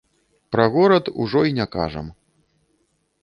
Пра горад ужо і не кажам.